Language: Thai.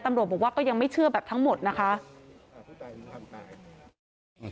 ตำรวจบอกว่าก็ยังไม่เชื่อแบบทั้งหมดนะคะ